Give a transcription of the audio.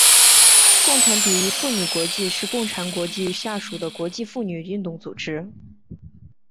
共产主义妇女国际是共产国际下属的国际妇女运动组织。